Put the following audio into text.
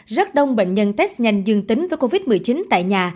rất đông bệnh nhân test nhanh dương tính với covid một mươi chín tại nhà